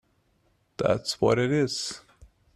That’s what it is!